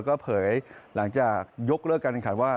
ก็เผยหลังจากยกเลิกการแข่งขันว่า